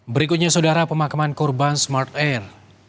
berikutnya saudara pemakaman korban smart air